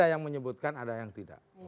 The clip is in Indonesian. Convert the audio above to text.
ada yang menyebutkan ada yang tidak